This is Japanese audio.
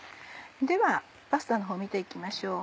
ではパスタのほう見て行きましょう。